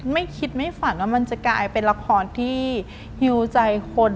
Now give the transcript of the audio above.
ไม่คิดไม่ฝันว่ามันจะกลายเป็นละครที่ฮิวใจคน